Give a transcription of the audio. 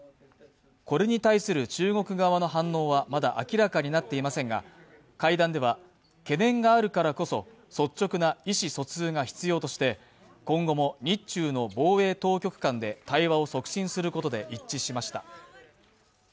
これに対する中国側の反応はまだ明らかになっていませんが、会談では懸念があるからこそ率直な意思疎通が必要として今後も日中の防衛当局間で対話を促進することで一致しました。